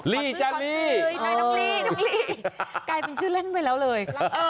ลีจันลีน้องลีน้องลีใกล้เป็นชื่อเล่นไปแล้วเลย